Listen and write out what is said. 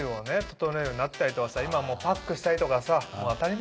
整えるようになったりとかさ今パックしたりとかさもう当たり前だからね。